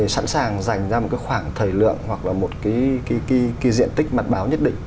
sẵn sàng dành ra một khoảng thời lượng hoặc là một diện tích mặt báo nhất định